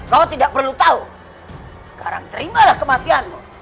kau tidak perlu tahu sekarang terimalah kematianmu